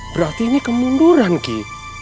berarti ini kemunduran ki